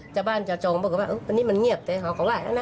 จะบ้านจะจองบอกก็ว่าเอ้ออันนี้มันเงียบเอ๊ะเขาก็ว่านะ